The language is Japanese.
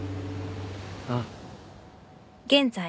あっ